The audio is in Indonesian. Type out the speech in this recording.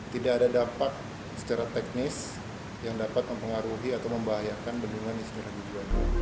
tidak ada dampak secara teknis yang dapat mempengaruhi atau membahayakan bendungan di sejarah jawa ia